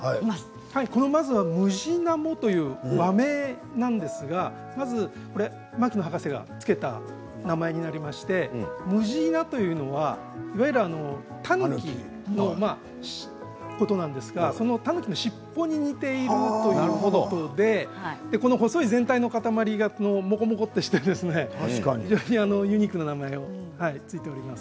ムジナモという和名なんですが牧野博士が付けた名前になりましてムジナというのはいわゆるタヌキのことなんですがそのタヌキの尻尾に似ているということでこの細い全体の塊がもこもことしていて非常にユニークな名前が付いております。